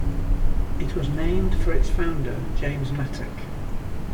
It was named for its founder, James Mattock.